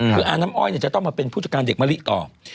คืออาน้ำอ้อยจะต้องมาเป็นผู้จัดการเด็กมะลิออก